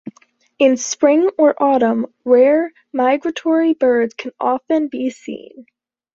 In spring or autumn rare migratory birds can often be seen.